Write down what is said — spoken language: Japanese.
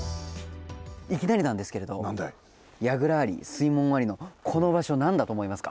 いきなりなんですけれどもやぐらありすいもんありのこのばしょなんだとおもいますか？